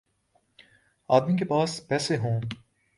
آدمی کے پاس پیسے ہوں۔